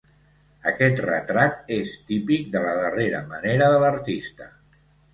Aquest retrat és típic de la darrera manera de l'artista.